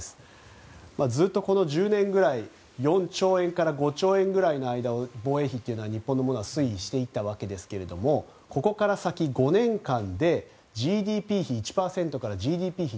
ずっとこの１０年ぐらい４兆円から５兆円ぐらいの間で日本の防衛費は推移していったわけですけれどもここから先、５年間でＧＤＰ比１％からＧＤＰ比２％。